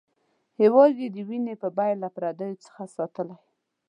هېواد یې د وینې په بیه له پردیو څخه ساتلی.